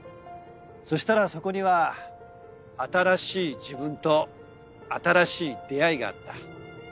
そしたらそこには新しい自分と新しい出会いがあった。